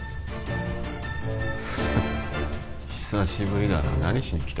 フッ久しぶりだな何しにきた？